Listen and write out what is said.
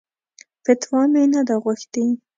فتوا مې نه ده غوښتې.